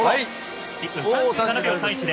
１分３７秒３１０。